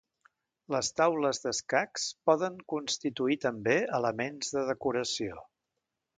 Les taules d'escacs poden constituir també elements de decoració.